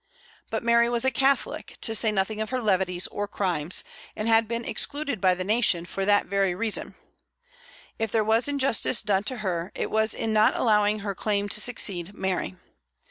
But Mary was a Catholic, to say nothing of her levities or crimes, and had been excluded by the nation for that very reason. If there was injustice done to her, it was in not allowing her claim to succeed Mary.